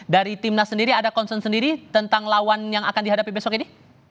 dari timnas sendiri ada concern sendiri tentang lawan yang akan dihadapi besok ini